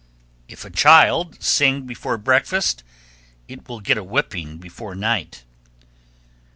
_ 1319. If a child sing before breakfast, it will get a whipping before night.